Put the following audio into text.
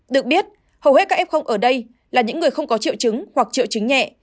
được biết hầu hết các f ở đây là những người không có triệu chứng hoặc triệu chứng nhẹ